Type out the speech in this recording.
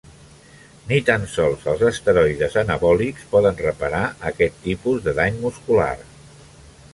Ni tan sols els esteroides anabòlics poden reparar aquest tipus de dany muscular.